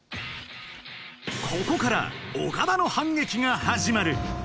ここから岡田の反撃が始まる